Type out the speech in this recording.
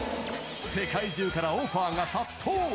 世界中からオファーが殺到。